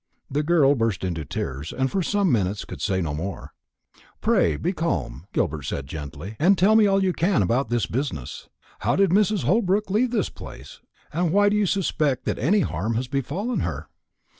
The girl burst into tears, and for some minutes could say no more. "Pray, pray be calm," Gilbert said gently, "and tell me all you can about this business. How did Mrs. Holbrook leave this place? and why do you suspect that any harm has befallen her?"